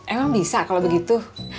emang bisa kalau begitu